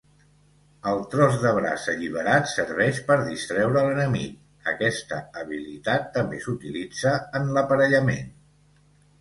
El tros de braç alliberat serveix per distreure l'enemic; aquesta habilitat també s'utilitza en l'aparellament.